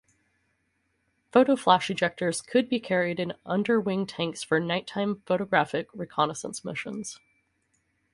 Photoflash ejectors could be carried in underwing tanks for nighttime photographic reconnaissance missions.